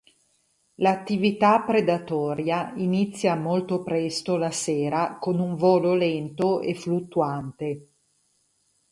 L'attività predatoria inizia molto presto la sera con un volo lento e fluttuante.